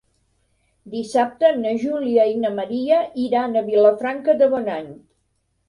Dissabte na Júlia i na Maria iran a Vilafranca de Bonany.